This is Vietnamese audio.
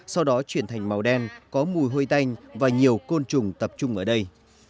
sau đó chuyển thành màu đen có mùi hôi tanh và nhiều côn trùng tập trung ở đây